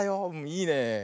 いいねえ。